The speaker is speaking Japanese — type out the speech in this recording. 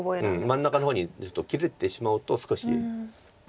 真ん中の方に切れてしまうと少し。